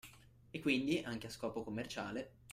E quindi anche a scopo commerciale